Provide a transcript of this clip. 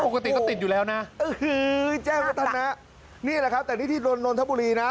ค่ะโอ้โหแจ้งวัฒนานี่แหละครับแต่นี่ที่นนทบุรีนะ